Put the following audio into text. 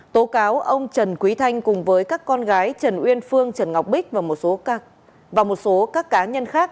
tố cáo ông trần quý thanh cùng với các con gái trần uyên phương trần ngọc bích và một số các cá nhân khác